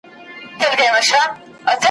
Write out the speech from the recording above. حق څوک نه سي اخیستلای په زاریو ,